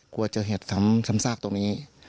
กลัวเจอเหตุซ้ำซากตรงนี้